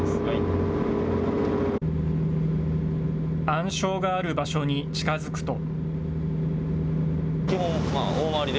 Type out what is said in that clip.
暗礁がある場所に近づくと。